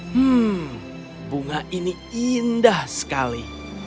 hmm bunga ini indah sekali